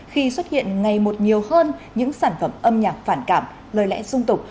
khi xuất hiện ngày một nhiều hơn những sản phẩm âm nhạc phản cảm lời lẽ dung tục